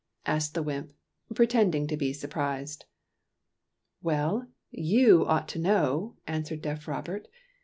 asked the wymp, pretending to be surprised. ''Well, you ought to know/' answered deaf Robert.